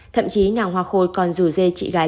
thậm chí nhàng hoa khôi còn rủ dê chị gái